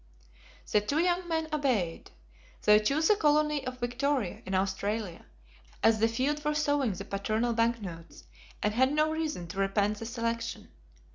The two young men obeyed. They chose the colony of Victoria in Australia, as the field for sowing the paternal bank notes, and had no reason to repent the selection.